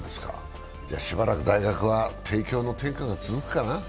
しばらく大学は帝京の天下が続くかな？